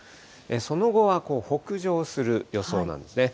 その後は北上する予想なんですね。